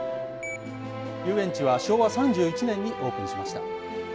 遊園地は昭和３１年にオープンしました。